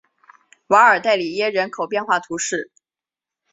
瓦尔代里耶人口变化图示